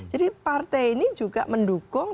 jadi partai ini juga mendukung